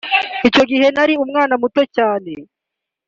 icyo gihe nari umwana muto cyane